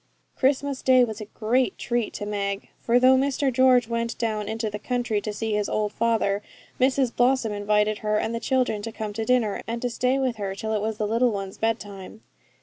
Christmas Day was a great treat to Meg; for though Mr George went down into the country to see his old father, Mrs Blossom invited her and the children to come to dinner, and to stay with her till it was the little ones' bedtime.